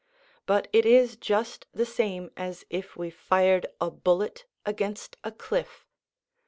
But it is just the same as if we fired a bullet against a cliff.